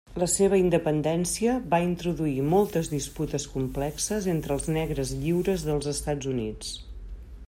La seva independència va introduir moltes disputes complexes entre els negres lliures dels Estats Units.